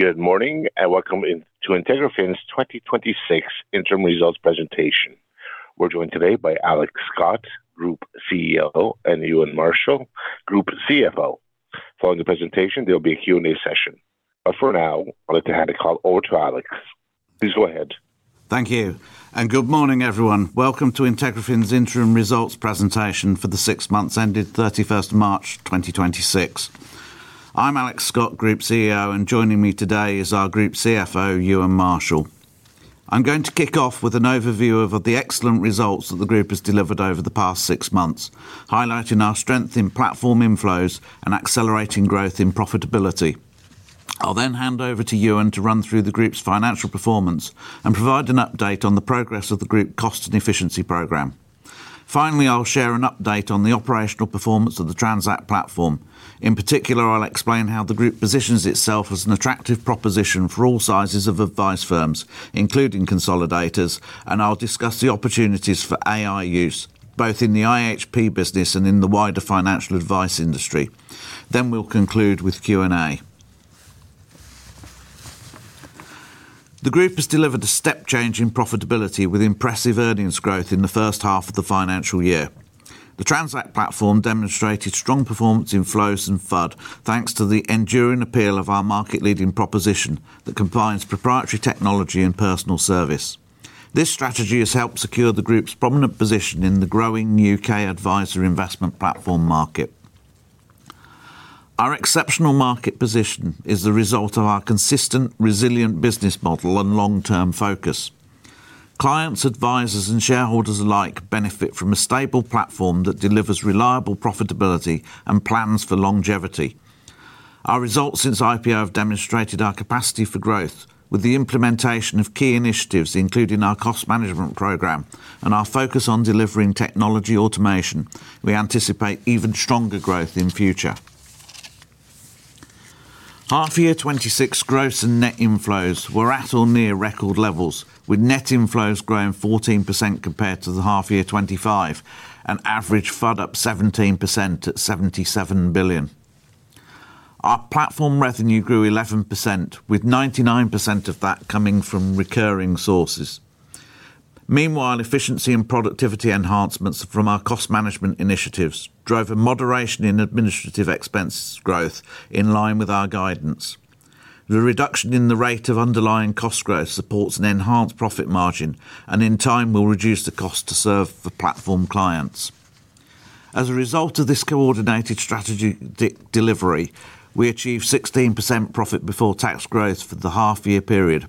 Good morning and welcome to IntegraFin Holdings' 2026 interim results presentation. We're joined today by Alex Scott, Group CEO, and Euan Marshall, Group CFO. Following the presentation, there will be a Q&A session. For now, I'd like to hand the call over to Alex. Please go ahead. Thank you. Good morning, everyone. Welcome to IntegraFin Holdings' interim results presentation for the six months ended 31 March 2026. I'm Alex Scott, Group CEO, and joining me today is our Group CFO, Euan Marshall. I'm going to kick off with an overview of the excellent results that the Group has delivered over the past six months, highlighting our strength in platform inflows and accelerating growth in profitability. I'll then hand over to Euan to run through the Group's financial performance and provide an update on the progress of the Group cost and efficiency program. Finally, I'll share an update on the operational performance of the Transact platform. In particular, I'll explain how the Group positions itself as an attractive proposition for all sizes of advice firms, including consolidators, and I'll discuss the opportunities for AI use, both in the IHP business and in the wider financial advice industry. We'll conclude with Q&A. The Group has delivered a step change in profitability with impressive earnings growth in the first half of the financial year. The Transact platform demonstrated strong performance in flows and FUD thanks to the enduring appeal of our market-leading proposition that combines proprietary technology and personal service. This strategy has helped secure the Group's prominent position in the growing U.K. advisor investment platform market. Our exceptional market position is the result of our consistent, resilient business model and long-term focus. Clients, advisers, and shareholders alike benefit from a stable platform that delivers reliable profitability and plans for longevity. Our results since IPO have demonstrated our capacity for growth. With the implementation of key initiatives, including our cost management program and our focus on delivering technology automation, we anticipate even stronger growth in future. Half-year 2026 growth and net inflows were at or near record levels, with net inflows growing 14% compared to the half-year 2025 and average FUD up 17% at 77 billion. Our platform revenue grew 11%, with 99% of that coming from recurring sources. Meanwhile, efficiency and productivity enhancements from our cost management initiatives drove a moderation in administrative expense growth in line with our guidance. The reduction in the rate of underlying cost growth supports an enhanced profit margin and in time will reduce the cost to serve the platform clients. As a result of this coordinated strategy delivery, we achieved 16% profit before tax growth for the half-year period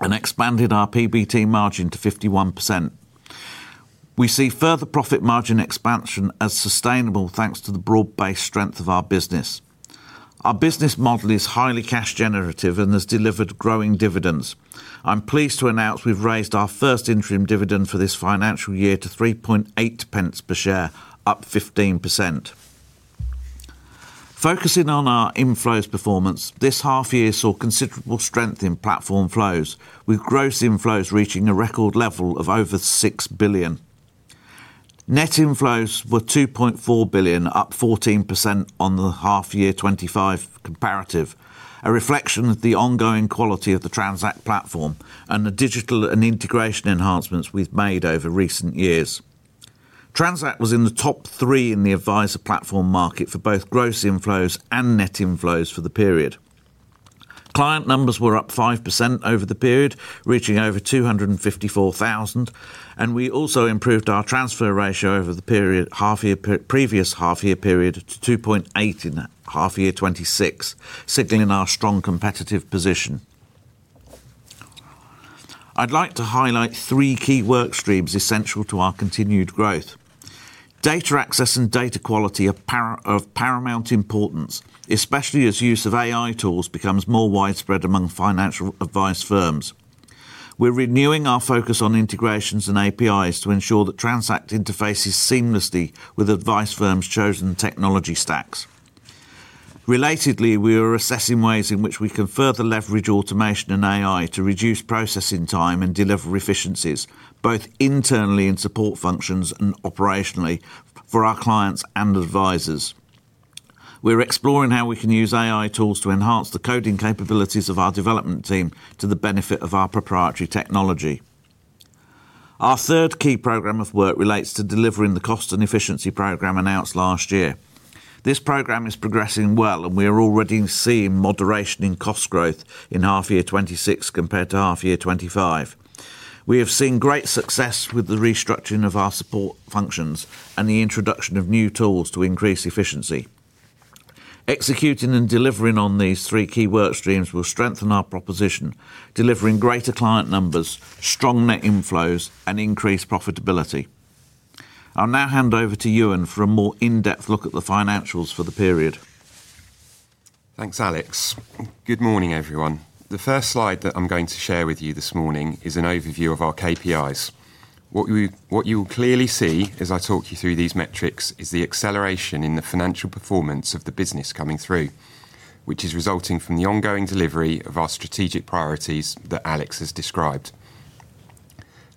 and expanded our PBT margin to 51%. We see further profit margin expansion as sustainable thanks to the broad-based strength of our business. Our business model is highly cash generative and has delivered growing dividends. I'm pleased to announce we've raised our first interim dividend for this financial year to 0.038 per share, up 15%. Focusing on our inflows performance, this half year saw considerable strength in platform flows, with gross inflows reaching a record level of over 6 billion. Net inflows were 2.4 billion, up 14% on the half year 2025 comparative, a reflection of the ongoing quality of the Transact platform and the digital and integration enhancements we've made over recent years. Transact was in the top 3 in the advisor platform market for both gross inflows and net inflows for the period. Client numbers were up 5% over the period, reaching over 254,000, and we also improved our transfer ratio over the previous half-year period to 2.8% in that of HY 2026, signaling our strong competitive position. I'd like to highlight three key workstreams essential to our continued growth. Data access and data quality are of paramount importance, especially as use of AI tools becomes more widespread among financial advice firms. We're renewing our focus on integrations and APIs to ensure that Transact interfaces seamlessly with advice firms' chosen technology stacks. Relatedly, we are assessing ways in which we can further leverage automation and AI to reduce processing time and deliver efficiencies, both internally in support functions and operationally for our clients and advisors. We're exploring how we can use AI tools to enhance the coding capabilities of our development team to the benefit of our proprietary technology. Our third key program of work relates to delivering the cost and efficiency program announced last year. This program is progressing well, and we are already seeing moderation in cost growth in half year 2026 compared to half year 2025. We have seen great success with the restructuring of our support functions and the introduction of new tools to increase efficiency. Executing and delivering on these three key work streams will strengthen our proposition, delivering greater client numbers, strong net inflows, and increased profitability. I'll now hand over to Euan for a more in-depth look at the financials for the period. Thanks, Alex. Good morning, everyone. The first slide that I'm going to share with you this morning is an overview of our KPIs. What you will clearly see as I talk you through these metrics is the acceleration in the financial performance of the business coming through, which is resulting from the ongoing delivery of our strategic priorities that Alex has described.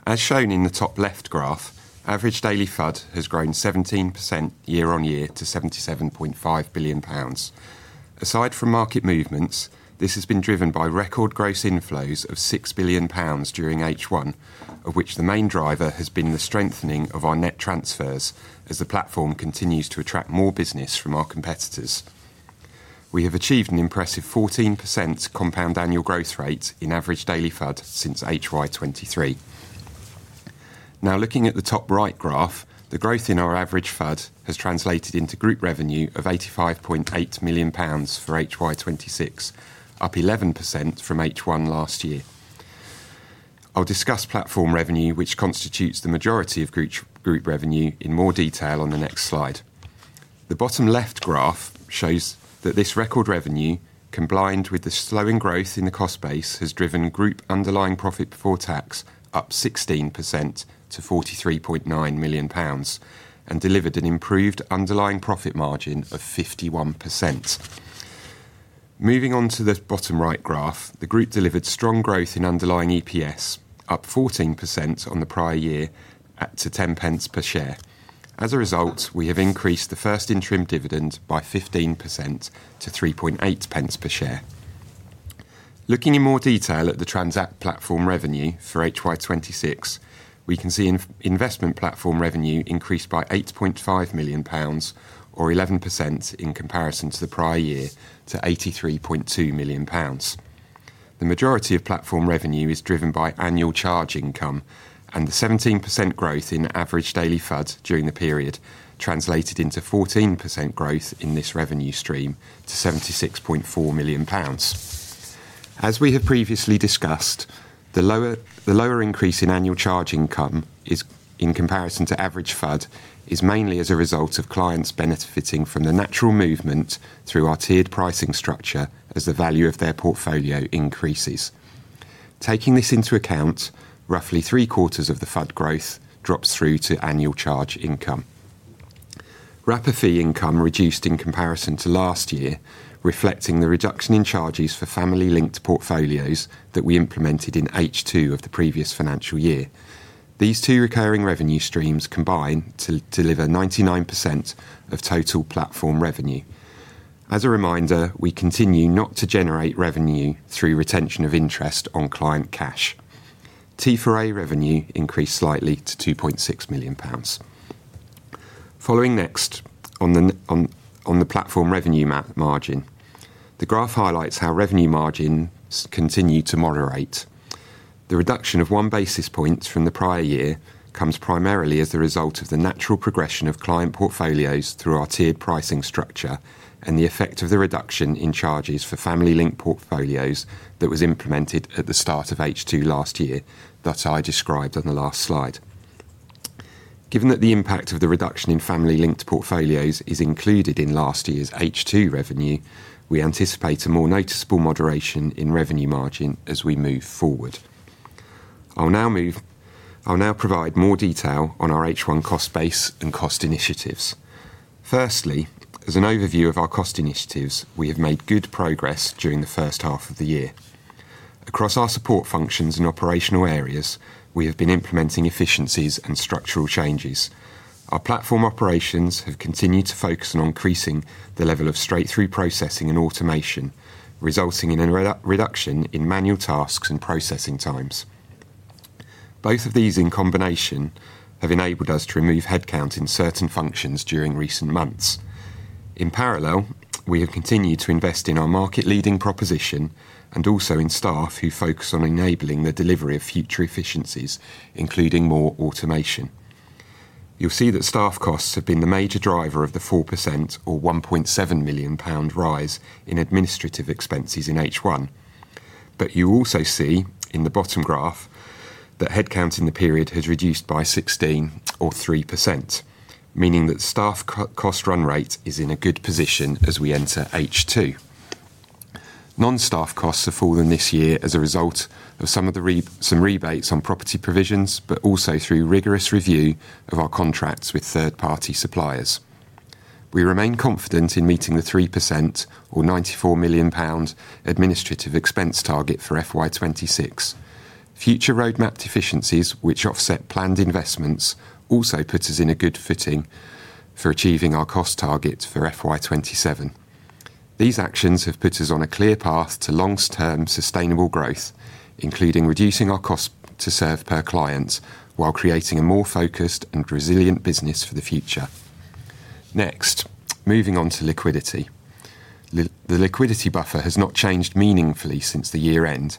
As shown in the top left graph, average daily FUD has grown 17% year-on-year to 77.5 billion pounds. Aside from market movements, this has been driven by record gross inflows of 6 billion pounds during H1, of which the main driver has been the strengthening of our net transfers as the platform continues to attract more business from our competitors. We have achieved an impressive 14% compound annual growth rate in average daily FUD since HY 2023. Now, looking at the top right graph, the growth in our average FUD has translated into Group revenue of 85.8 million pounds for HY26, up 11% from H1 last year. I'll discuss platform revenue, which constitutes the majority of Group revenue, in more detail on the next slide. The bottom left graph shows that this record revenue combined with the slowing growth in the cost base has driven Group underlying profit before tax up 16% to 43.9 million pounds and delivered an improved underlying profit margin of 51%. Moving on to the bottom right graph, the Group delivered strong growth in underlying EPS, up 14% on the prior year to 0.10 per share. As a result, we have increased the first interim dividend by 15% to 0.038 per share. Looking in more detail at the Transact platform revenue for HY26, we can see investment platform revenue increased by 8.5 million pounds, or 11% in comparison to the prior year, to 83.2 million pounds. The majority of platform revenue is driven by annual charge income and the 17% growth in average daily FUDs during the period, translated into 14% growth in this revenue stream to GBP 76.4 million. As we have previously discussed, the lower increase in annual charge income is, in comparison to average FUD, is mainly as a result of clients benefiting from the natural movement through our tiered pricing structure as the value of their portfolio increases. Taking this into account, roughly three-quarters of the FUD growth drops through to annual charge income. Wrapper fee income reduced in comparison to last year, reflecting the reduction in charges for family-linked portfolios that we implemented in H2 of the previous financial year. These two recurring revenue streams combine to deliver 99% of total platform revenue. As a reminder, we continue not to generate revenue through retention of interest on client cash. Time4Advice revenue increased slightly to 2.6 million pounds. Following next on the platform revenue margin, the graph highlights how revenue margins continue to moderate. The reduction of 1 basis point from the prior year comes primarily as a result of the natural progression of client portfolios through our tiered pricing structure and the effect of the reduction in charges for family-linked portfolios that was implemented at the start of H2 last year that I described on the last slide. Given that the impact of the reduction in family-linked portfolios is included in last year's H2 revenue, we anticipate a more noticeable moderation in revenue margin as we move forward. I'll now provide more detail on our H1 cost base and cost initiatives. Firstly, As an overview of our cost initiatives, we have made good progress during the first half of the year. Across our support functions and operational areas, we have been implementing efficiencies and structural changes. Our platform operations have continued to focus on increasing the level of straight-through processing and automation, resulting in a reduction in manual tasks and processing times. Both of these in combination have enabled us to remove headcount in certain functions during recent months. In parallel, we have continued to invest in our market-leading proposition and also in staff who focus on enabling the delivery of future efficiencies, including more automation. You'll see that staff costs have been the major driver of the 4% or 1.7 million pound rise in administrative expenses in H1. You also see, in the bottom graph, that headcount in the period has reduced by 16, or 3%, meaning that staff cost run rate is in a good position as we enter H2. Non-staff costs have fallen this year as a result of some of the rebates on property provisions, but also through rigorous review of our contracts with third-party suppliers. We remain confident in meeting the 3%, or 94 million pounds, administrative expense target for FY 2026. Future roadmap eficiencies, which offset planned investments, also put us in a good footing for achieving our cost target for FY 2027. These actions have put us on a clear path to long-term sustainable growth, including reducing our cost to serve per client while creating a more focused and resilient business for the future. Moving on to liquidity. The liquidity buffer has not changed meaningfully since the year end,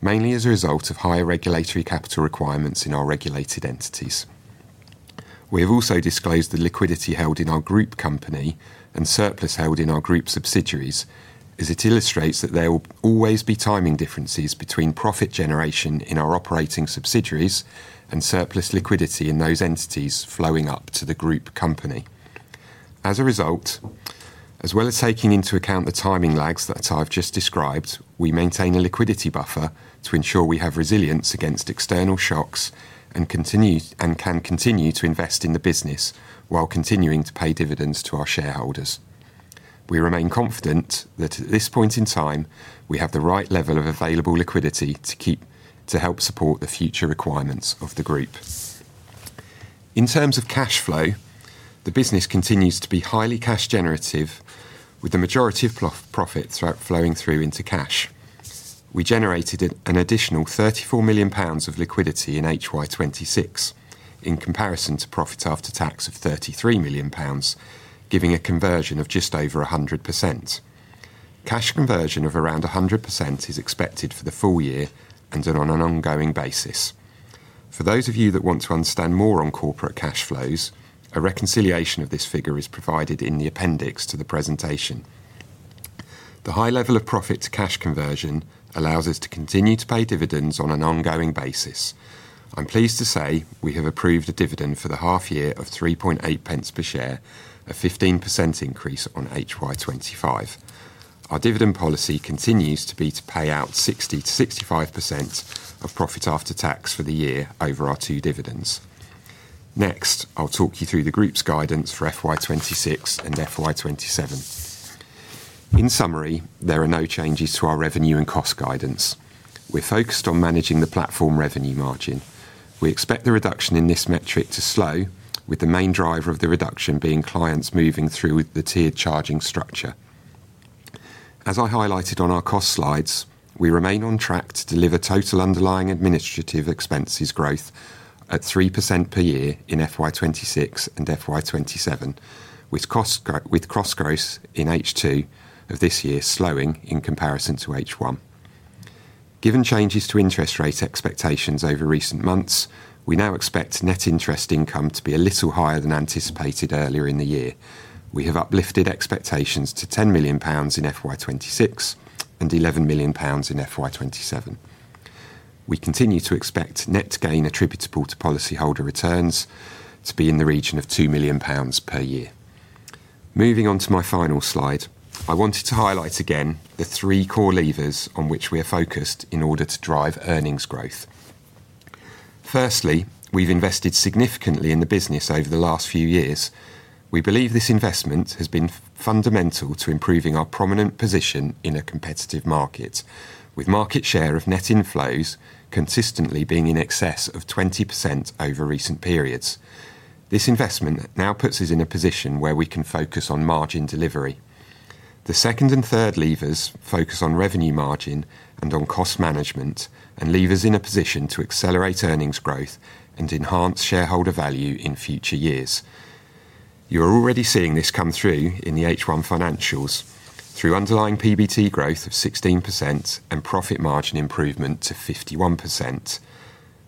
mainly as a result of higher regulatory capital requirements in our regulated entities. We have also disclosed the liquidity held in our group company and surplus held in our group subsidiaries, as it illustrates that there will always be timing differences between profit generation in our operating subsidiaries and surplus liquidity in those entities flowing up to the group company. As a result, as well as taking into account the timing lags that I've just described, we maintain a liquidity buffer to ensure we have resilience against external shocks and can continue to invest in the business while continuing to pay dividends to our shareholders. We remain confident that at this point in time we have the right level of available liquidity to help support the future requirements of the group. In terms of cash flow, the business continues to be highly cash generative, with the majority of profit throughout flowing through into cash. We generated an additional 34 million pounds of liquidity in HY 2026 in comparison to profit after tax of 33 million pounds, giving a conversion of just over 100%. Cash conversion of around 100% is expected for the full year and on an ongoing basis. For those of you that want to understand more on corporate cash flows, a reconciliation of this figure is provided in the appendix to the presentation. The high level of profit to cash conversion allows us to continue to pay dividends on an ongoing basis. I'm pleased to say we have approved a dividend for the half year of 0.038 per share, a 15% increase on HY 2025. Our dividend policy continues to be to pay out 60%-65% of profit after tax for the year over our two dividends. Next, I'll talk you through the group's guidance for FY 2026 and FY 2027. In summary, there are no changes to our revenue and cost guidance. We're focused on managing the platform revenue margin. We expect the reduction in this metric to slow, with the main driver of the reduction being clients moving through the tiered charging structure. As I highlighted on our cost slides, we remain on track to deliver total underlying administrative expenses growth at 3% per year in FY 2026 and FY 2027, with cost growth in H2 of this year slowing in comparison to H1. Given changes to interest rate expectations over recent months, we now expect net interest income to be a little higher than anticipated earlier in the year. We have uplifted expectations to 10 million pounds in FY 2026 and 11 million pounds in FY 2027. We continue to expect net gain attributable to policyholder returns to be in the region of 2 million pounds per year. Moving on to my final slide, I wanted to highlight again the three core levers on which we are focused in order to drive earnings growth. Firstly, We've invested significantly in the business over the last few years. We believe this investment has been fundamental to improving our prominent position in a competitive market, with market share of net inflows consistently being in excess of 20% over recent periods. This investment now puts us in a position where we can focus on margin delivery. The second and third levers focus on revenue margin and on cost management. Leave us in a position to accelerate earnings growth and enhance shareholder value in future years. You are already seeing this come through in the H1 financials through underlying PBT growth of 16% and profit margin improvement to 51%.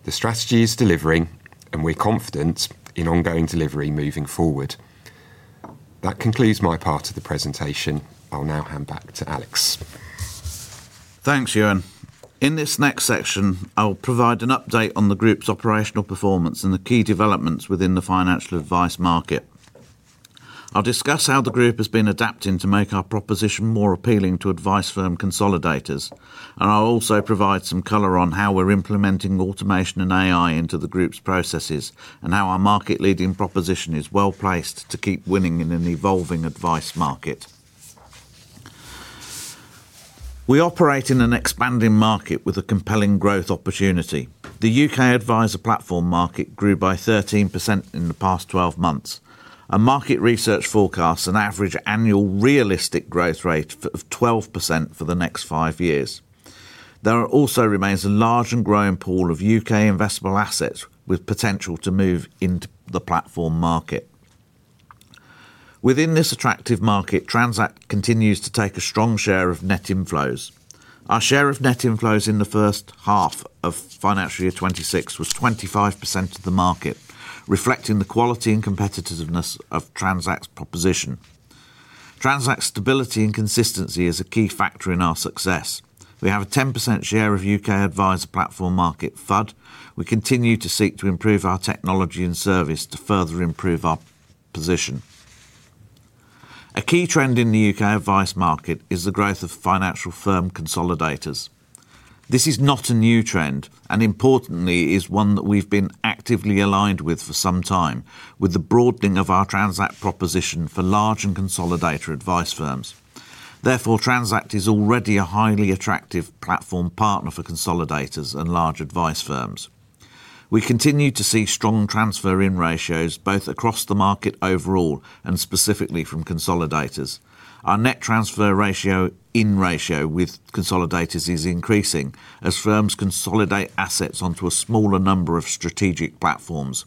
The strategy is delivering, and we're confident in ongoing delivery moving forward. That concludes my part of the presentation. I'll now hand back to Alex. Thanks, Euan. In this next section, I'll provide an update on the group's operational performance and the key developments within the financial advice market. I'll discuss how the group has been adapting to make our proposition more appealing to advice firm consolidators, and I'll also provide some color on how we're implementing automation and AI into the group's processes and how our market-leading proposition is well placed to keep winning in an evolving advice market. We operate in an expanding market with a compelling growth opportunity. The U.K. advisor platform market grew by 13% in the past 12 months, and market research forecasts an average annual realistic growth rate of 12% for the next five years. There also remains a large and growing pool of U.K. investable assets with potential to move into the platform market. Within this attractive market, Transact continues to take a strong share of net inflows. Our share of net inflows in the first half of financial year 2026 was 25% of the market, reflecting the quality and competitiveness of Transact's proposition. Transact's stability and consistency is a key factor in our success. We have a 10% share of U.K. advisor platform market, but we continue to seek to improve our technology and service to further improve our position. A key trend in the U.K. advice market is the growth of financial firm consolidators. This is not a new trend and importantly is one that we've been actively aligned with for some time with the broadening of our Transact proposition for large and consolidator advice firms. Therefore, Transact is already a highly attractive platform partner for consolidators and large advice firms. We continue to see strong transfer-in ratios both across the market overall and specifically from consolidators. Our net transfer ratio, in ratio, with consolidators is increasing as firms consolidate assets onto a smaller number of strategic platforms.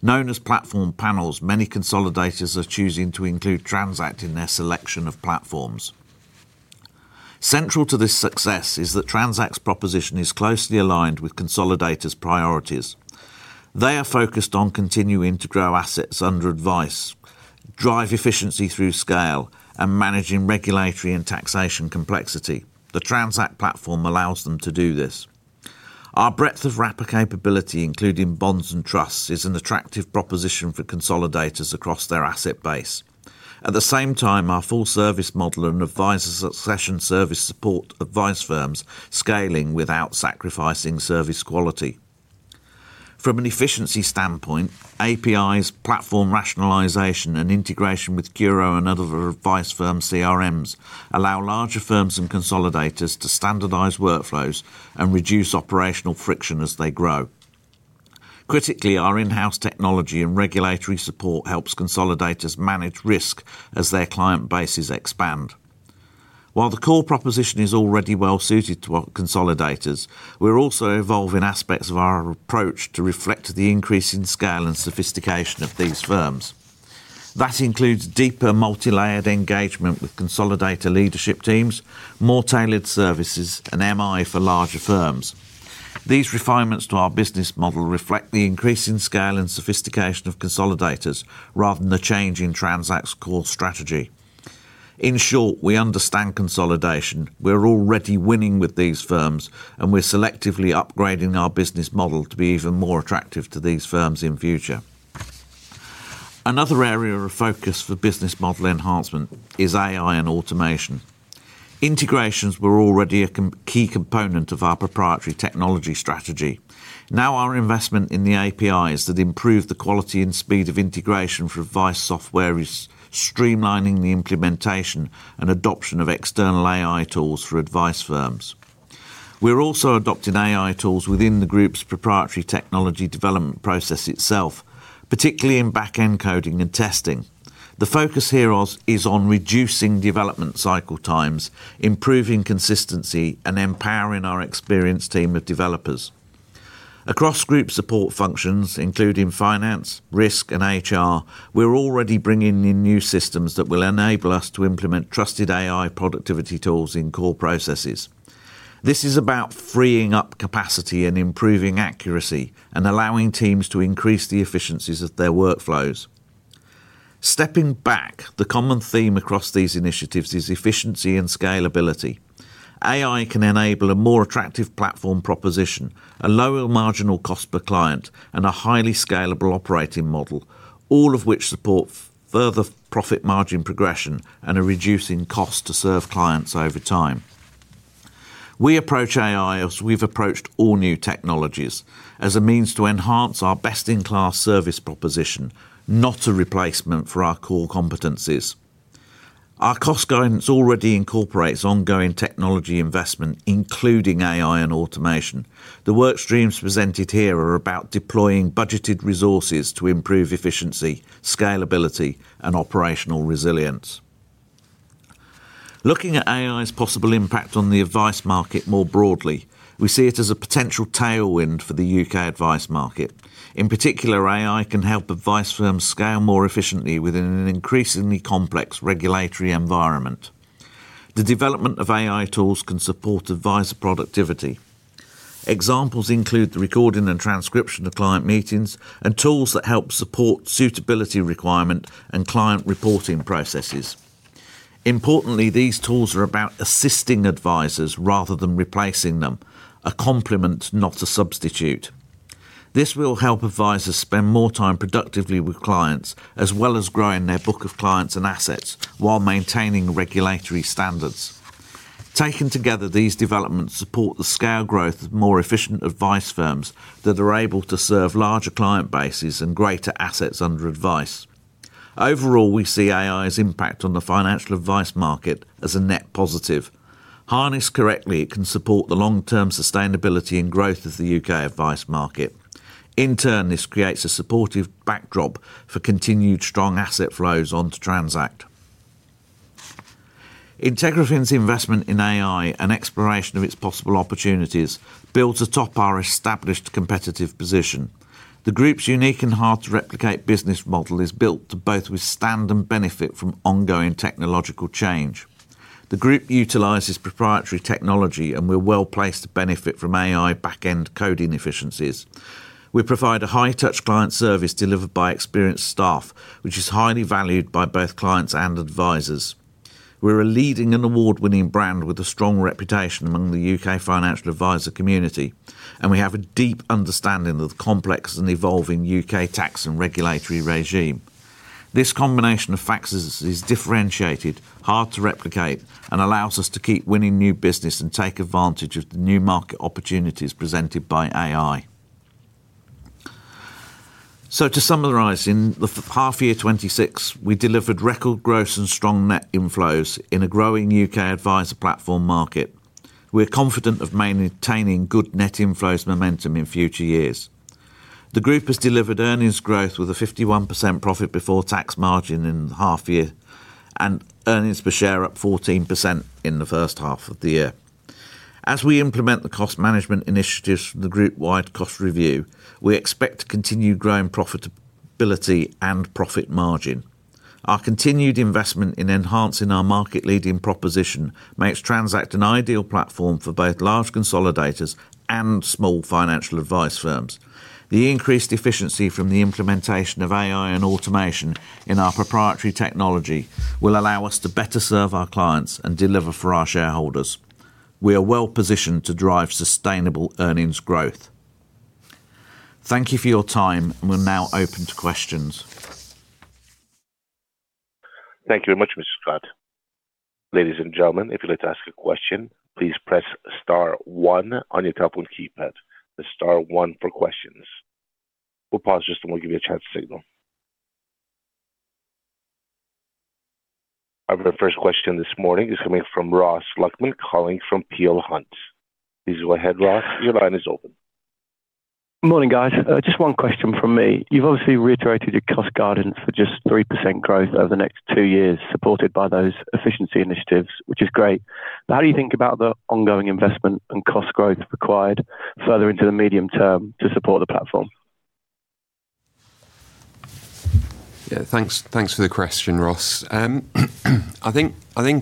Known as platform panels, many consolidators are choosing to include Transact in their selection of platforms. Central to this success is that Transact's proposition is closely aligned with consolidators' priorities. They are focused on continuing to grow assets under advice, drive efficiency through scale, and managing regulatory and taxation complexity. The Transact platform allows them to do this. Our breadth of wrapper capability, including bonds and trusts, is an attractive proposition for consolidators across their asset base. At the same time, our full-service model and advisor succession service support advice firms scaling without sacrificing service quality. From an efficiency standpoint, APIs, platform rationalization, and integration with CURO and other advice firm CRMs allow larger firms and consolidators to standardize workflows and reduce operational friction as they grow. Critically, our in-house technology and regulatory support helps consolidators manage risk as their client base is expanding. Expand. While the core proposition is already well suited to our consolidators, we're also evolving aspects of our approach to reflect the increase in scale and sophistication of these firms. That includes deeper multi-layered engagement with consolidator leadership teams, more tailored services, and MI for larger firms. These refinements to our business model reflect the increase in scale and sophistication of consolidators, rather than a change in Transact's core strategy. In short, we understand consolidation, we're already winning with these firms, and we're selectively upgrading our business model to be even more attractive to these firms in future. Another area of focus for business model enhancement is AI and automation. Integrations were already a key component of our proprietary technology strategy. Now our investment in the APIs that improve the quality and speed of integration for advice software which is streamlining the implementation and adoption of external AI tools for advice firms. We're also adopting AI tools within the group's proprietary technology development process itself, particularly in backend coding and testing. The focus here is on reducing development cycle times, improving consistency, and empowering our experienced team of developers. Across group support functions, including finance, risk, and HR, we're already bringing in new systems that will enable us to implement trusted AI productivity tools in core processes. This is about freeing up capacity and improving accuracy and allowing teams to increase the efficiencies of their workflows. Stepping back, the common theme across these initiatives is efficiency and scalability. AI can enable a more attractive platform proposition a lower marginal cost per client, and a highly scalable operating model, all of which support further profit margin progression and a reducing cost to serve clients over time. We approach AI as we've approached all new technologies, as a means to enhance our best-in-class service proposition, not a replacement for our core competencies. Our cost guidance already incorporates ongoing technology investment, including AI and automation. The workstreams presented here are about deploying budgeted resources to improve efficiency, scalability, and operational resilience. Looking at AI's possible impact on the advice market more broadly, we see it as a potential tailwind for the U.K. advice market. In particular, AI can help advice firms scale more efficiently within an increasingly complex regulatory environment. The development of AI tools can support advisor productivity. Examples include the recording and transcription of client meetings, and tools that help support suitability requirement and client reporting processes. Importantly, these tools are about assisting advisors rather than replacing them, a complement, not a substitute. This will help advisors spend more time productively with clients, as well as growing their book of clients and assets, while maintaining regulatory standards. Taken together, these developments support the scale growth of more efficient advice firms that are able to serve larger client bases and greater assets under advice. Overall, we see AI's impact on the financial advice market as a net positive. Harnessed correctly, it can support the long-term sustainability and growth of the U.K. advice market. In turn, this creates a supportive backdrop for continued strong asset flows onto Transact. IntegraFin Holdings' investment in AI and exploration of its possible opportunities builds atop our established competitive position. The group's unique and hard-to-replicate business model is built to both withstand and benefit from ongoing technological change. The group utilizes proprietary technology, and we're well placed to benefit from AI backend coding efficiencies. We provide a high-touch client service delivered by experienced staff which is highly valued by both clients and advisors. We're a leading and award-winning brand with a strong reputation among the U.K. financial advisor community, and we have a deep understanding of the complex and evolving U.K. tax and regulatory regime. This combination of factors is differentiated, hard to replicate, and allows us to keep winning new business and take advantage of the new market opportunities presented by AI. To summarise, in the half year 2026, we delivered record growth and strong net inflows in a growing U.K. advisor platform market. We're confident of maintaining good net inflows momentum in future years. The group has delivered earnings growth with a 51% profit before tax margin in half year and earnings per share up 14% in the first half of the year. As we implement the cost management initiatives from the group-wide cost review, we expect to continue growing profitability and profit margin. Our continued investment in enhancing our market-leading proposition makes Transact an ideal platform for both large consolidators and small financial advice firms. The increased efficiency from the implementation of AI and automation in our proprietary technology will allow us to better serve our clients and deliver for our shareholders. We are well positioned to drive sustainable earnings growth. Thank you for your time, we're now open to questions. Thank you very much, Mr. Scott. Ladies and gentlemen, if you'd like to ask a question, please press star one on your telephone keypad. The star one for questions. We'll pause just a moment to give you a chance to signal. Our first question this morning is coming from Ross Luckman calling from Peel Hunt. Please go ahead, Ross. Your line is open. Morning, guys. Just one question from me. You've obviously reiterated your cost guidance for just 3% growth over the next two years, supported by those efficiency initiatives, which is great. How do you think about the ongoing investment and cost growth required further into the medium term to support the platform? Yeah, thanks for the question, Ross. I think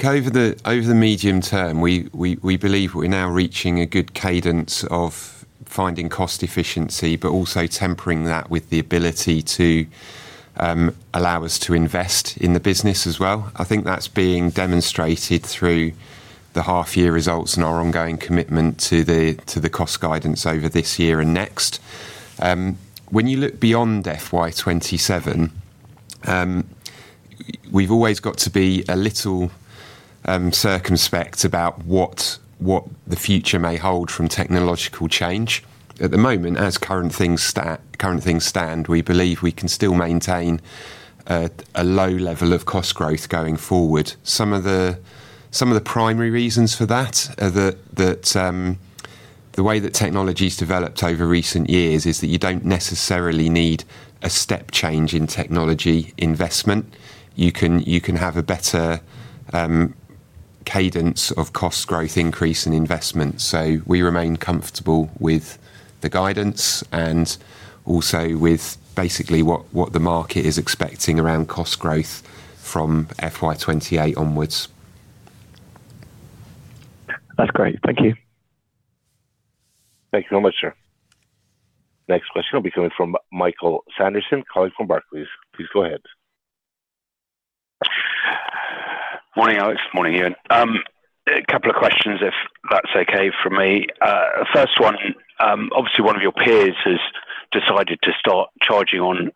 over the medium term, we believe we're now reaching a good cadence of finding cost efficiency but also tempering that with the ability to allow us to invest in the business as well. I think that's being demonstrated through the half-year results and our ongoing commitment to the cost guidance over this year and next. When you look beyond FY 2027, we've always got to be a little circumspect about what the future may hold from technological change. At the moment, as current things stand, we believe we can still maintain a low level of cost growth going forward. Some of the primary reasons for that are that the way that technology has developed over recent years is that you don't necessarily need a step change in technology investment. You can have a better cadence of cost growth increase and investment. We remain comfortable with the guidance and also with basically what the market is expecting around cost growth from FY 2028 onwards. That's great. Thank you. Thank you very much, sir. Next question will be coming from Michael Sanderson calling from Barclays. Please go ahead. Morning, Alex. Morning, Euan. A couple of questions, if that's okay for me. First one, obviously one of your peers has decided to start charging on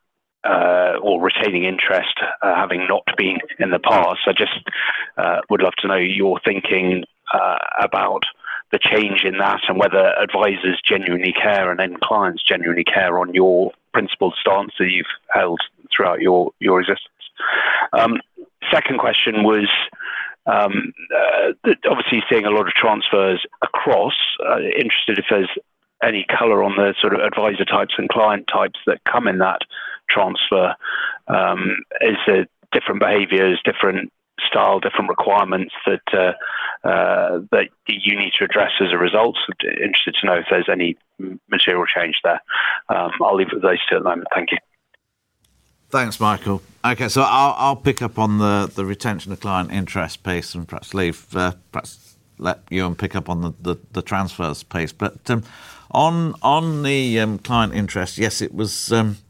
or retaining interest having not been in the past. I just would love to know your thinking about the change in that and whether advisors genuinely care and then clients genuinely care on your principal stance that you've held throughout your existence. Second question was, obviously seeing a lot of transfers across, interested if there's any color on the sort of advisor types and client types that come in that transfer? Is it different behaviors, different style, different requirements that you need to address as a result? Interested to know if there's any material change there. I'll leave it with those two at the moment. Thank you. Thanks, Michael. I'll pick up on the retention of client interest piece and perhaps leave I'll perhaps let Euan pick up on the transfers piece. On the client interest, yes, from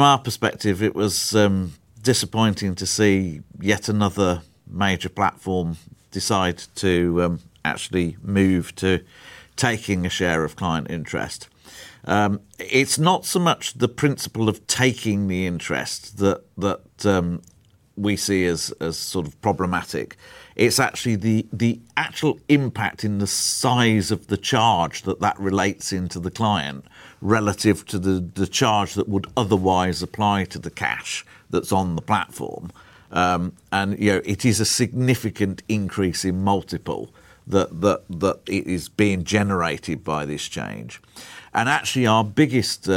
our perspective, it was disappointing to see yet another major platform decide to actually move to taking a share of client interest. It's not so much the principle of taking the interest that we see as sort of problematic. It's actually the actual impact in the size of the charge that relates into the client relative to the charge that would otherwise apply to the cash that's on the platform. You know, it is a significant increase in multiple that is being generated by this change. Actually our biggest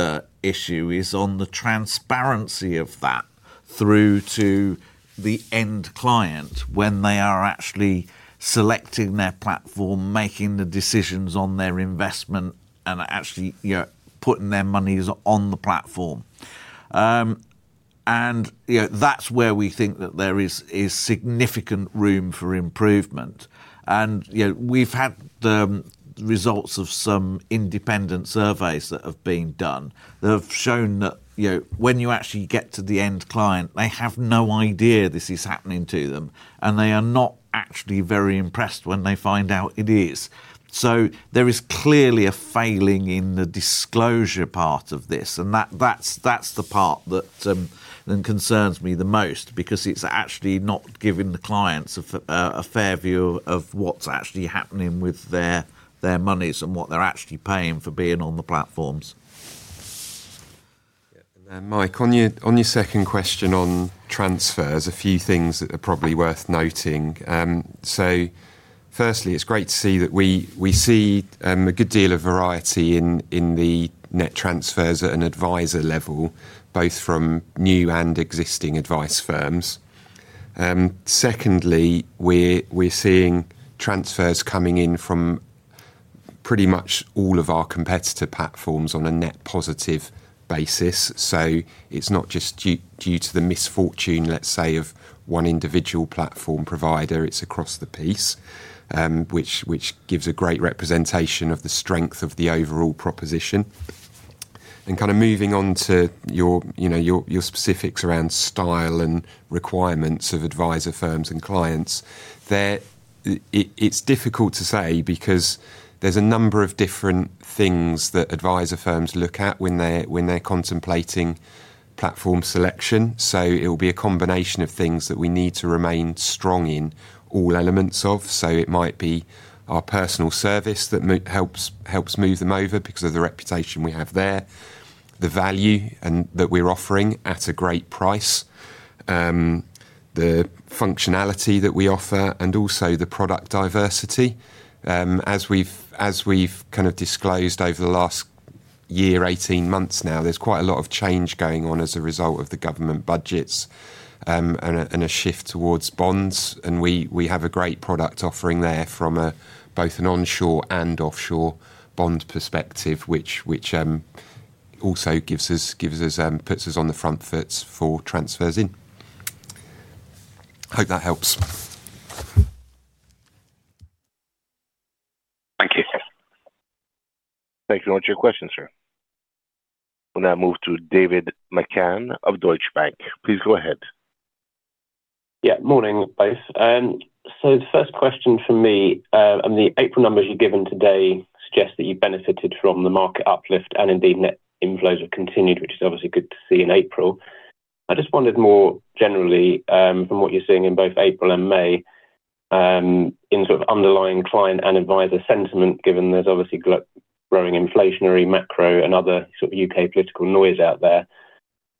issue is on the transparency of that through to the end client when they are actually selecting their platform, making the decisions on their investment, and actually, you know, putting their monies on the platform. You know, that's where we think that there is significant room for improvement. You know, we've had the results of some independent surveys that have been done that have shown that, you know, when you actually get to the end client, they have no idea this is happening to them, and they are not actually very impressed when they find out it is. There is clearly a failing in the disclosure part of this, and that's the part that concerns me the most, because it's actually not giving the clients a fair view of what's actually happening with their monies and what they're actually paying for being on the platforms. Mike, on your second question on transfers, a few things that are probably worth noting. Firstly, it's great to see that we see a good deal of variety in the net transfers at an adviser level, both from new and existing advice firms. Secondly, we're seeing transfers coming in from pretty much all of our competitor platforms on a net positive basis. It's not just due to the misfortune, let's say, of one individual platform provider. It's across the piece, which gives a great representation of the strength of the overall proposition. Kind of moving on to your, you know, your specifics around style and requirements of adviser firms and clients. It's difficult to say because there's a number of different things that adviser firms look at when they're contemplating platform selection. It will be a combination of things that we need to remain strong in all elements of. It might be our personal service that helps move them over because of the reputation we have there. The value that we're offering at a great price, the functionality that we offer, and also the product diversity. As we've kind of disclosed over the last year, 18 months now, there's quite a lot of change going on as a result of the government budgets and a shift towards bonds. We have a great product offering there from both an onshore and offshore bond perspective, which also gives us, puts us on the front foot for transfers in. Hope that helps. Thank you. Thank you very much for your question, sir. We'll now move to David McCann of Deutsche Bank. Please go ahead. Morning, both. The first question for me, the April numbers you've given today suggest that you've benefited from the market uplift and indeed net inflows have continued, which is obviously good to see in April. I just wondered more generally from what you're seeing in both April and May in sort of underlying client and adviser sentiment, given there's obviously growing inflationary macro and other sort of U.K. political noise out there.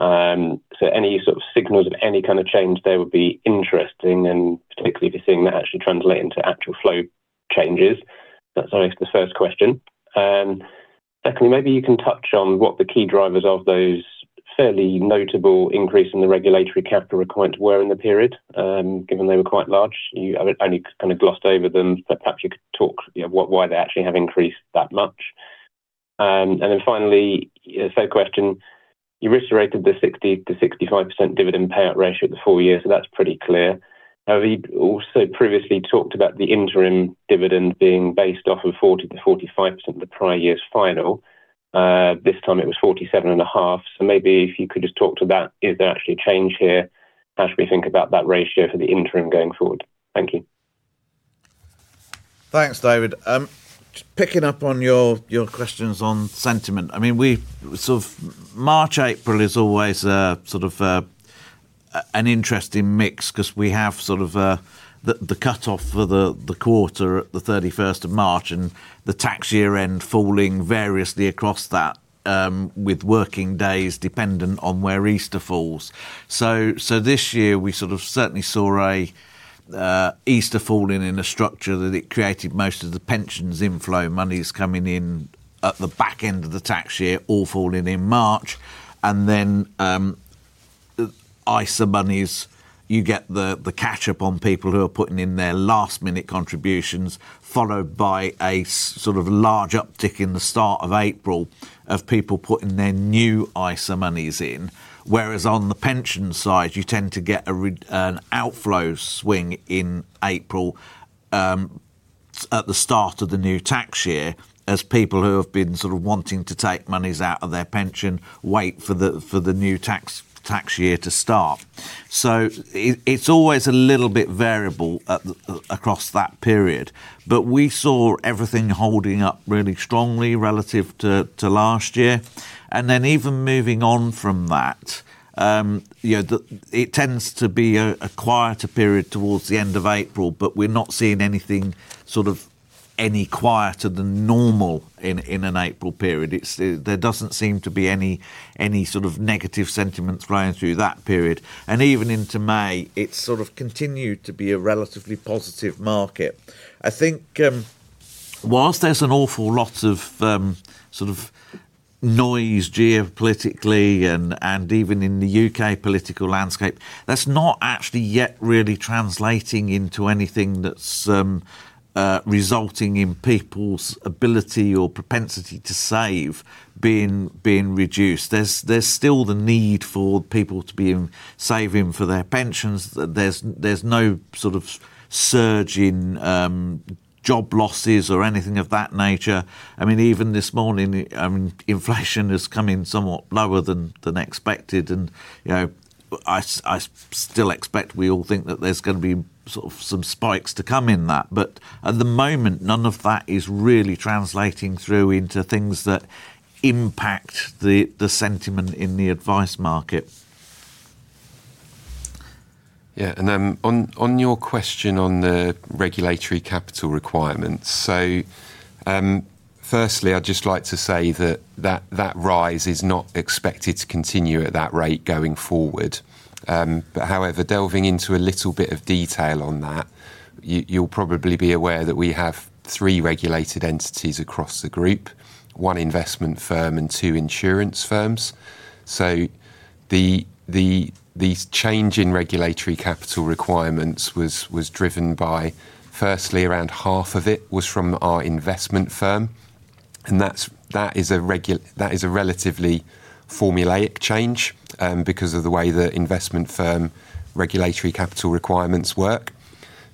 Any sort of signals of any kind of change there would be interesting, and particularly if you're seeing that actually translate into actual flow changes? That's, I guess, the first question. Secondly, maybe you can touch on what the key drivers of those fairly notable increase in the regulatory capital requirements were in the period, given they were quite large. You only kind of glossed over them, but perhaps you could talk why they actually have increased that much. Third question, you reiterated the 60%-65% dividend payout ratio for the full year, that's pretty clear. We also previously talked about the interim dividend being based off of 40%-45% of the prior year's final. This time it was 47.5%. Maybe if you could just talk to that. Is there actually a change here? How should we think about that ratio for the interim going forward? Thank you. Thanks, David. Picking up on your questions on sentiment, I mean, we've sort of March, April is always a sort of an interesting mix because we have sort of the cutoff for the quarter at the 31st of March and the tax year end falling variously across that, with working days dependent on where Easter falls. This year we sort of certainly saw Easter falling in a structure that it created most of the pensions inflow, monies coming in at the back end of the tax year, all falling in March. Then ISA monies, you get the catch-up on people who are putting in their last-minute contributions, followed by a sort of large uptick in the start of April of people putting their new ISA monies in. Whereas on the pension side, you tend to get an outflow swing in April at the start of the new tax year. as people who have been sort of wanting to take monies out of their pension wait for the new tax year to start. It's always a little bit variable across that period, but we saw everything holding up really strongly relative to last year. Even moving on from that, you know, it tends to be a quieter period towards the end of April, but we're not seeing anything sort of any quieter than normal in an April period. There doesn't seem to be any sort of negative sentiments flowing through that period. Even into May, it's sort of continued to be a relatively positive market. I think whilst there's an awful lot of sort of noise geopolitically and even in the U.K. political landscape, that's not actually yet really translating into anything that's resulting in people's ability or propensity to save being reduced. There's still the need for people to be saving for their pensions. There's no sort of surge in job losses or anything of that nature. I mean, even this morning, I mean, inflation has come in somewhat lower than expected. You know, I still expect, we all think that there's going to be sort of some spikes to come in that, but at the moment none of that is really translating through into things that impact the sentiment in the advice market. On your question on the regulatory capital requirements, firstly I'd just like to say that that rise is not expected to continue at that rate going forward. However, delving into a little bit of detail on that, you'll probably be aware that we have three regulated entities across the Group, one investment firm and two insurance firms. The change in regulatory capital requirements was driven by, firstly, around half of it was from our investment firm, and that is a relatively formulaic change because of the way that investment firm regulatory capital requirements work.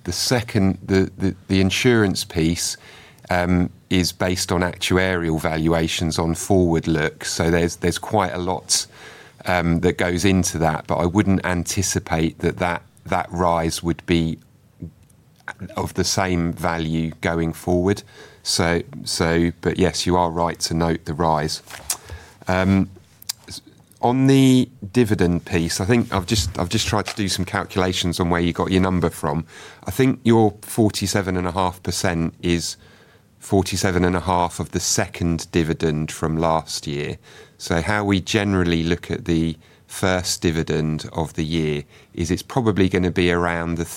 The second, the insurance piece is based on actuarial valuations on forward look, there's quite a lot that goes into that, I wouldn't anticipate that that rise would be of the same value going forward. Yes, you are right to note the rise. On the dividend piece, I think I've just tried to do some calculations on where you got your number from. I think your 47.5% is 47.5% of the second dividend from last year. How we generally look at the first dividend of the year is it's probably going to be around the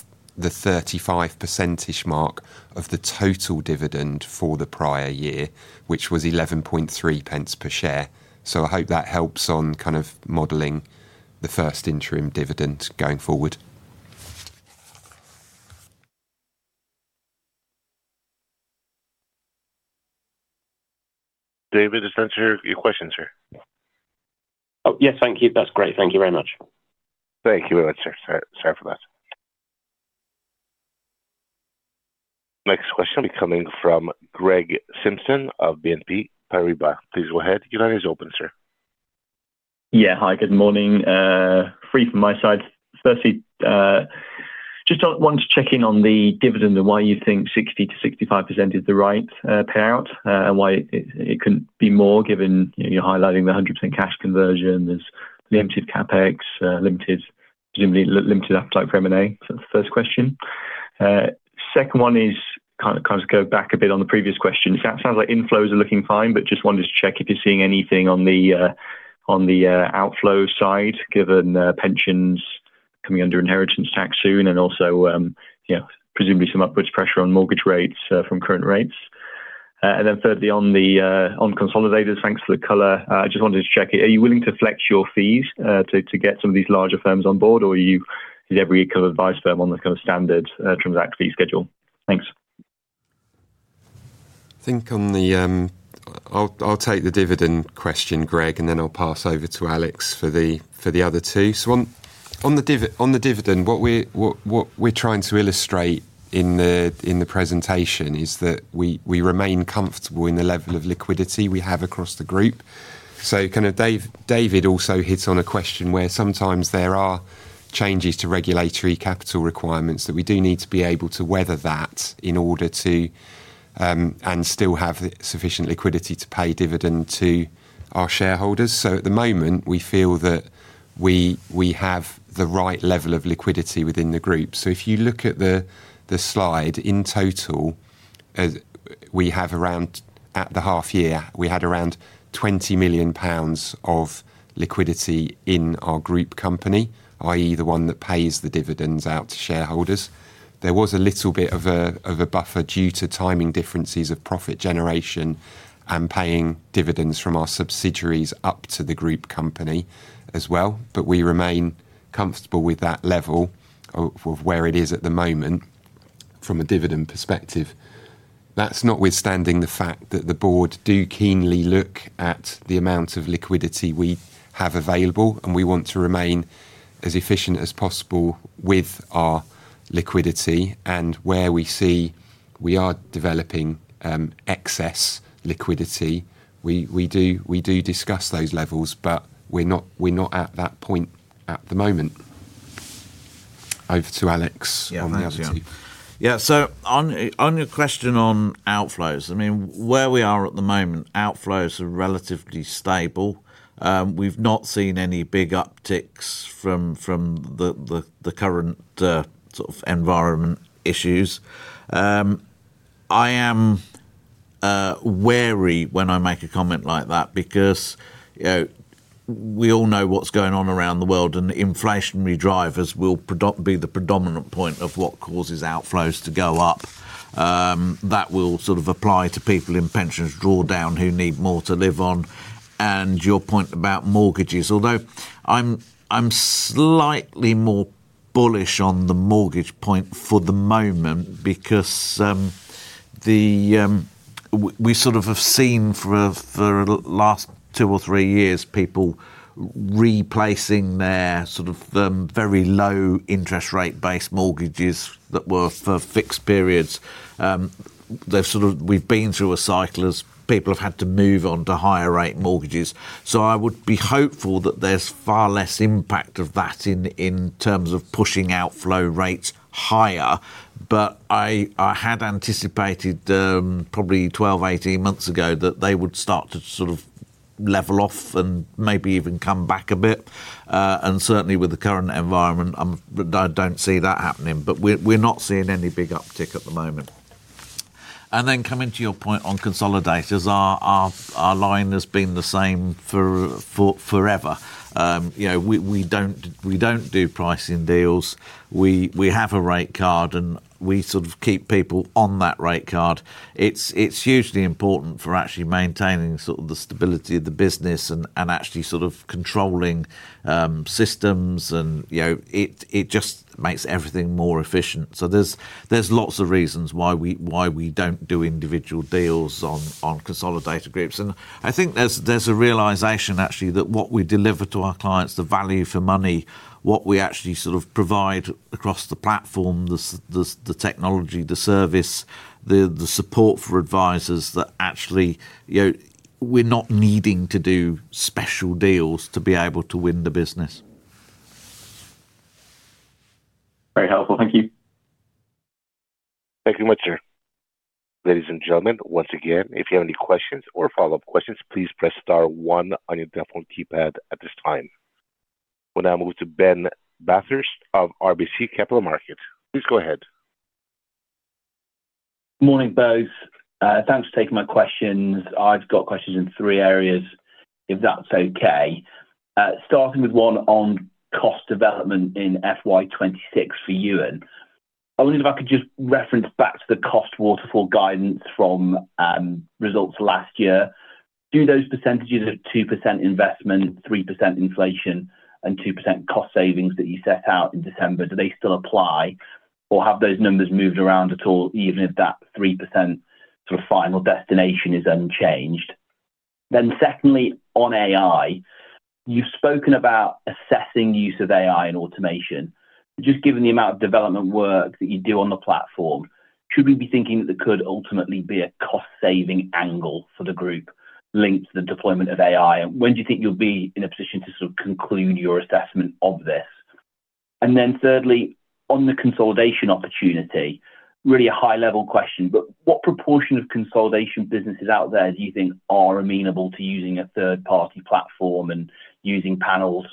35%-ish mark of the total dividend for the prior year, which was 0.113 per share. I hope that helps on kind of modeling the first interim dividend going forward. David, does that answer your question, sir? Oh yes, thank you. That's great. Thank you very much. Thank you very much, sir. Sorry for that. Next question will be coming from Gregory Simpson of BNP Paribas. Please go ahead. Your line is open, sir. Yeah. Hi. Good morning. Greg from my side. Firstly, just want to check in on the dividend and why you think 60% to 65% is the right payout and why it couldn't be more given you're highlighting the 100% cash conversion, there's limited CapEx, limited presumably limited appetite for M&A? That's the first question. Second one is kind of go back a bit on the previous question. That sounds like inflows are looking fine, but just wanted to check if you're seeing anything on the outflow side, given pensions coming under inheritance tax soon and also, presumably, some upward pressure on mortgage rates from current rates. Thirdly, on consolidators, thanks for the color. I just wanted to check, is every kind of advice firm on the kind of standard transaction fee schedule? Thanks. I think I'll take the dividend question, Greg, and then I'll pass over to Alex for the other two. On the dividend, what we're trying to illustrate in the presentation is that we remain comfortable in the level of liquidity we have across the Group. Kind of David also hits on a question where sometimes there are changes to regulatory capital requirements that we do need to be able to weather that and still have sufficient liquidity to pay dividend to our shareholders. At the moment, we feel that we have the right level of liquidity within the Group. If you look at the slide, At the half year, we had around 20 million pounds of liquidity in our Group company, i.e., the one that pays the dividends out to shareholders. There was a little bit of a buffer due to timing differences of profit generation and paying dividends from our subsidiaries up to the group company as well. We remain comfortable with that level of where it is at the moment from a dividend perspective. That's notwithstanding the fact that the Board do keenly look at the amount of liquidity we have available, and we want to remain as efficient as possible with our liquidity. Where we see we are developing excess liquidity, we do discuss those levels, but we're not at that point at the moment. Over to Alex on the other team. On your question on outflows, I mean, where we are at the moment, outflows are relatively stable. We've not seen any big upticks from the current sort of environment issues. I am wary when I make a comment like that because we all know what's going on around the world, and inflationary drivers will be the predominant point of what causes outflows to go up. That will sort of apply to people in pensions drawdown who need more to live on. Your point about mortgages, although I'm slightly more bullish on the mortgage point for the moment because we sort of have seen for the last two or three years people replacing their sort of very low interest rate-based mortgages that were for fixed periods. They've sort of, we've been through a cycle as people have had to move on to higher rate mortgages. I would be hopeful that there's far less impact of that in terms of pushing outflow rates higher, but I had anticipated probably 12, 18 months ago that they would start to sort of level off and maybe even come back a bit. Certainly with the current environment, I don't see that happening. We're not seeing any big uptick at the moment. Then coming to your point on consolidators, our line has been the same forever. You know, we don't do pricing deals. We have a rate card and we sort of keep people on that rate card. It's hugely important for actually maintaining sort of the stability of the business and actually sort of controlling systems. You know, it just makes everything more efficient. There's lots of reasons why we don't do individual deals on consolidated groups. I think there's a realization actually that what we deliver to our clients, the value for money what we actually sort of provide across the platform, the technology, the service, the support for advisors that actually, you know, we're not needing to do special deals to be able to win the business. Very helpful. Thank you. Thank you much, sir. Ladies and gentlemen, once again, if you have any questions or follow-up questions, please press star one on your telephone keypad at this time. We will now move to Ben Bathurst of RBC Capital Markets. Please, go ahead. Morning, both. Thanks for taking my questions. I've got questions in three areas, if that's okay. Starting with one on cost development in FY 2026 for Euan. I wonder if I could just reference back to the cost waterfall guidance from results last year. Do those percentages of 2% investment, 3% inflation, and 2% cost savings that you set out in December, do they still apply, or have those numbers moved around at all, even if that 3% sort of final destination is unchanged? Secondly, on AI, you've spoken about assessing use of AI and automation. Just given the amount of development work that you do on the platform, should we be thinking that there could ultimately be a cost-saving angle for the group linked to the deployment of AI? When do you think you'll be in a position to sort of conclude your assessment of this? Thirdly, on the consolidation opportunity, really a high-level question, but what proportion of consolidation businesses out there do you think are amenable to using a third-party platform and using panels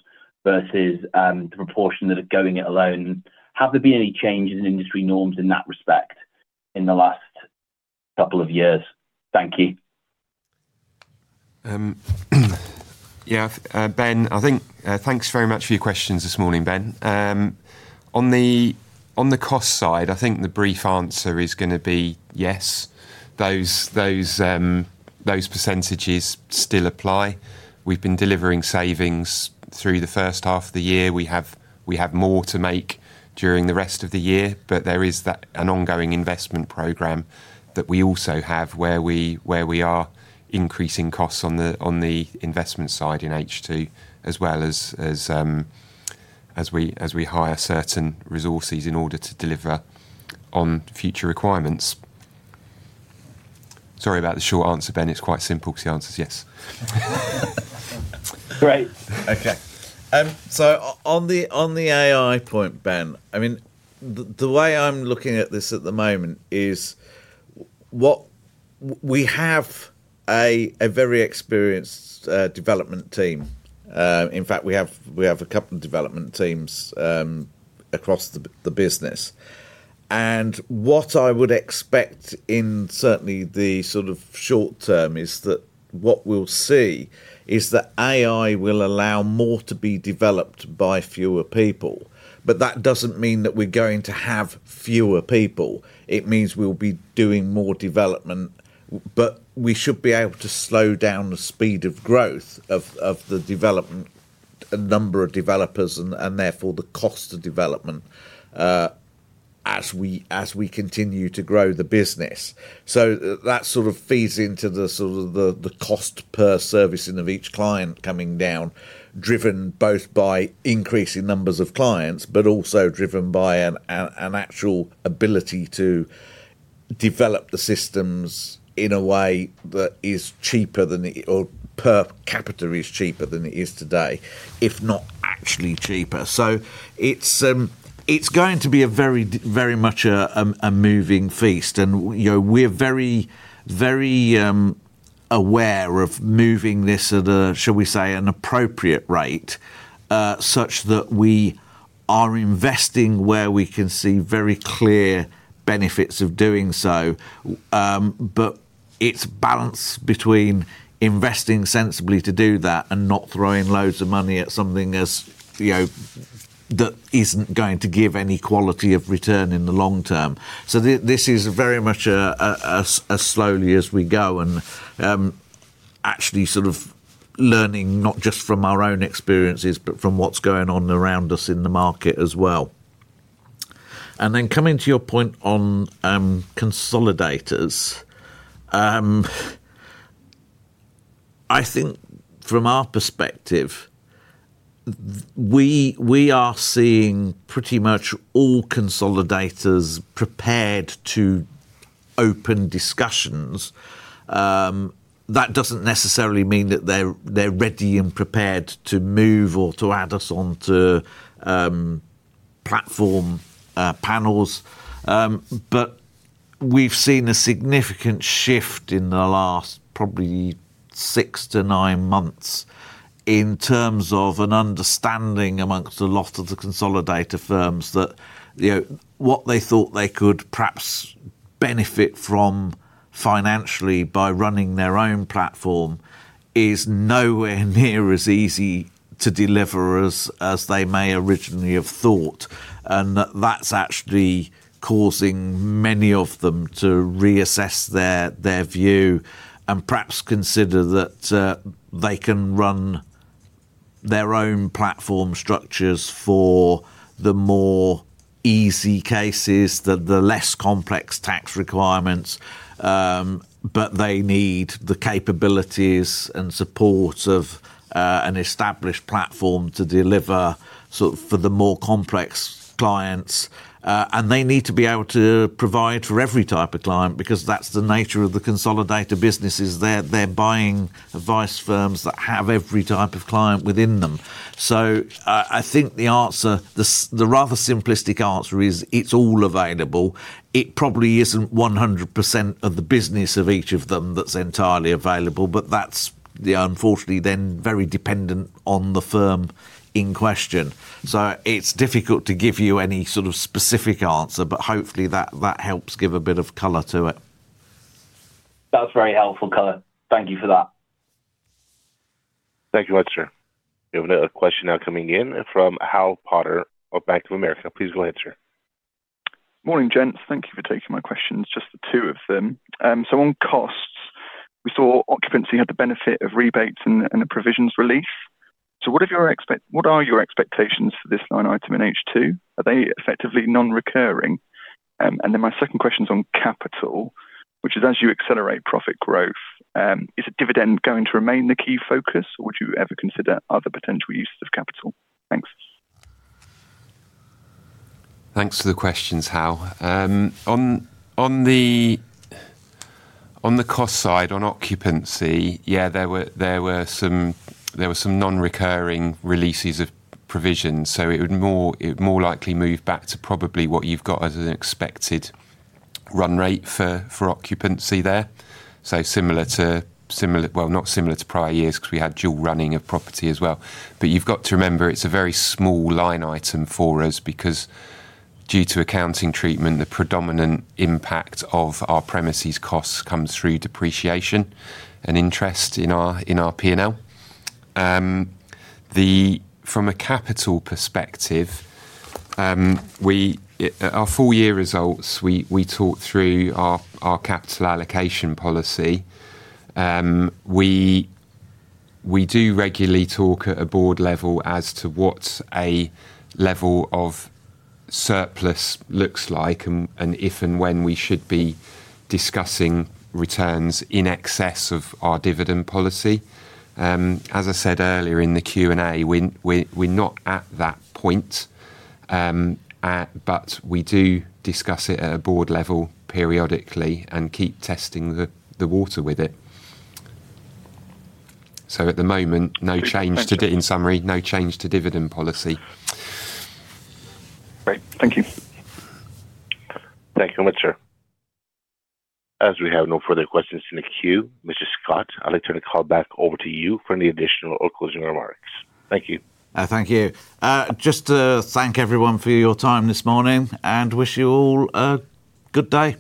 versus the proportion that are going it alone? Have there been any changes in industry norms in that respect in the last couple of years? Thank you. Yeah, Ben, I think, thanks very much for your questions this morning, Ben. On the cost side, I think the brief answer is going to be yes, those percentages still apply. We've been delivering savings through the first half of the year. We have more to make during the rest of the year, but there is that an ongoing investment program that we also have where we are increasing costs on the investment side in H2, as well as we hire certain resources in order to deliver on future requirements. Sorry about the short answer, Ben, it's quite simple because the answer is yes. Great. Okay. On the AI point, Ben, I mean, the way I'm looking at this at the moment is what we have, a very experienced development team. In fact, we have a couple of development teams across the business. What I would expect in certainly the sort of short term is that what we'll see is that AI will allow more to be developed by fewer people. That doesn't mean that we're going to have fewer people. It means we'll be doing more development, but we should be able to slow down the speed of growth of the development, a number of developers, and therefore the cost of development, as we continue to grow the business. That sort of feeds into the sort of the cost per servicing of each client coming down. Driven both by increasing numbers of clients, also driven by an actual ability to develop the systems in a way that is cheaper than per capita is cheaper than it is today, if not actually cheaper. It's going to be a very, very much a moving feast, you know, we're very, very aware of moving this at a, shall we say, an appropriate rate, such that we are investing where we can see very clear benefits of doing so. It's a balance between investing sensibly to do that and not throwing loads of money at something that isn't going to give any quality of return in the long term. This is very much a slowly as we go and actually sort of learning not just from our own experiences, but from what's going on around us in the market as well. Coming to your point on consolidators, I think from our perspective, we are seeing pretty much all consolidators prepared to open discussions. That doesn't necessarily mean that they're ready and prepared to move or to add us on to platform panels. We've seen a significant shift in the last probably six to nine months. In terms of an understanding amongst a lot of the consolidator firms that, you know, what they thought they could perhaps benefit from financially by running their own platform is nowhere near as easy to deliver as they may originally have thought. That's actually causing many of them to reassess their view. Perhaps consider that they can run their own platform structures for the more easy cases, the less complex tax requirements, but they need the capabilities and support of an established platform to deliver sort of for the more complex clients. They need to be able to provide for every type of client because that's the nature of the consolidator businesses. They're buying advice firms that have every type of client within them. I think the answer, the rather simplistic answer, is it's all available. It probably isn't 100% of the business of each of them that's entirely available, but that's unfortunately then very dependent on the firm in question. It's difficult to give you any sort of specific answer, but hopefully that helps give a bit of color to it. That's very helpful color. Thank you for that. Thank you much, sir. We have another question now coming in from Hal Potter of Bank of America. Please go ahead, sir. Morning, gents. Thank you for taking my questions, just the two of them. On costs, we saw occupancy had the benefit of rebates and a provisions relief. What are your expectations for this line item in H2? Are they effectively non-recurring? My second question is on capital, which is as you accelerate profit growth, is the dividend going to remain the key focus? Would you ever consider other potential uses of capital? Thanks. Thanks for the questions, Hal. On the cost side, on occupancy, yeah, there were some nonrecurring releases of provisions. It would more likely move back to probably what you've got as an expected run rate for occupancy there. Similar to well, not similar to prior years because we had dual running of property as well. You've got to remember it's a very small line item for us because due to accounting treatment, the predominant impact of our premises costs comes through depreciation and interest in our P&L. From a capital perspective, our full year results, we talk through our capital allocation policy. We do regularly talk at a board level as to what a level of surplus looks like and if and when we should be discussing returns in excess of our dividend policy. As I said earlier in the Q&A, we're not at that point, but we do discuss it at a board level periodically and keep testing the water with it. At the moment, in summary, no change to dividend policy. Great, thank you. Thank you very much, sir. As we have no further questions in the queue, Mr. Scott, I'll turn the call back over to you for any additional or closing remarks. Thank you. Thank you. Just thank everyone for your time this morning and wish you all a good day.